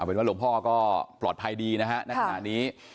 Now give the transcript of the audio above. เอาเป็นว่าหลวงพ่อก็ปลอดภัยดีนะครับท่านผู้ชมครับ